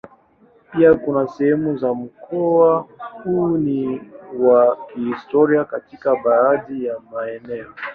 Pia kuna sehemu za mkoa huu ni wa kihistoria katika baadhi ya maeneo.